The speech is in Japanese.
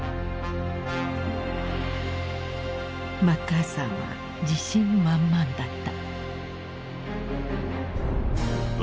マッカーサーは自信満々だった。